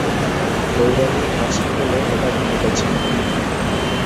বউরানী আছেন বলে এটা ঘটেছে।